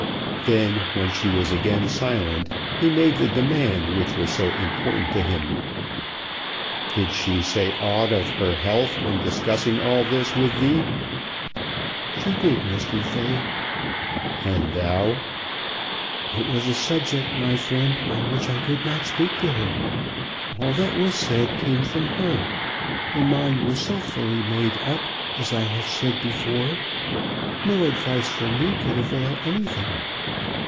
Then when she was again silent, he made the demand which was so important to him. "Did she say aught of her health in discussing all this with thee?" "She did, Mr. Fay." "And thou?" "It was a subject, my friend, on which I could not speak to her. All that was said came from her. Her mind was so fully made up, as I have said before, no advice from me could avail anything.